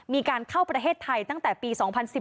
มีการเข้าประเทศไทยตั้งแต่ปี๒๐๑๘